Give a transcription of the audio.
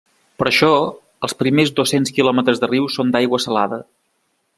Per això els primers dos-cents quilòmetres de riu són d'aigua salada.